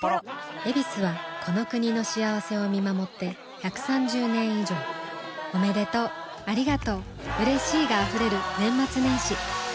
「ヱビス」はこの国の幸せを見守って１３０年以上おめでとうありがとううれしいが溢れる年末年始さあ今年も「ヱビス」で